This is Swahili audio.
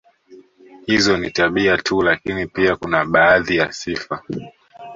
Hizo ni tabia tu lakini pia kuna baadhi ya sifa